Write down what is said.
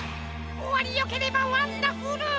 おわりよければワンダフル！